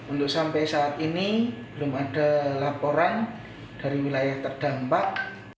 untuk sampai saat ini belum ada laporan dari wilayah terdampak